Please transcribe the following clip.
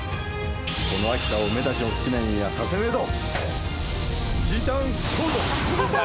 「この秋田をおめたちの好きなようにはさせねえど」